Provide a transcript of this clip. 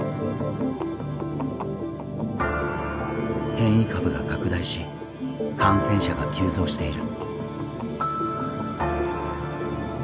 変異株が拡大し感染者が急増している。